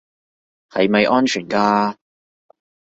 係咪安全㗎